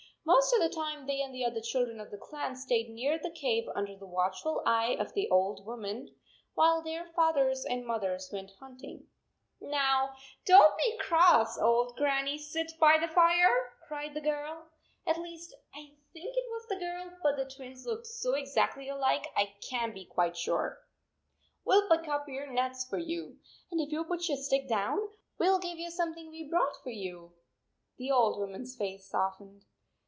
Most of the time they and the other children of the clan stayed near the cave under the watchful eye of the old woman, while their fathers and mothers went hunting. " Now, don t be cross, old Grannie sit by the fire 1 " cried the girl. At least, I think it was the girl, but the Twins looked so exactly alike I can t be quite sure. " We 11 pick up your nuts for you. And if you 11 put your stick down, we 11 give you some thing we brought for you." The old woman s face softened.